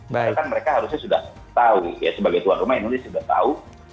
padahal kan mereka harusnya sudah tahu ya sebagai tuan rumah indonesia sudah tahu